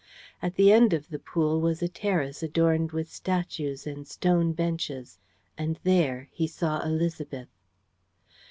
At the end of the pool was a terrace adorned with statues and stone benches. And there he saw Élisabeth.